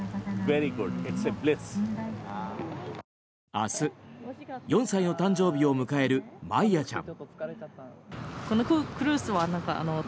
明日、４歳の誕生日を迎えるマイヤちゃん。